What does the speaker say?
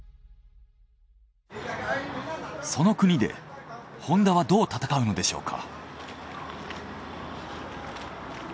その国でホンダはどう戦うのでしょうか？